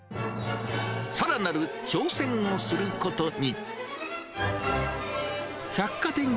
さらなる挑戦をすることに。